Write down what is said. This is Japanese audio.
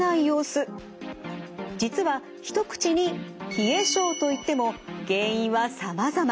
実は一口に「冷え症」と言っても原因はさまざま。